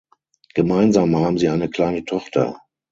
Gemeinsam haben sie eine kleine Tochter.